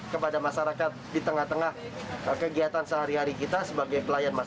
kepada masyarakat di tengah tengah kegiatan sehari hari kita sebagai pelayan masyarakat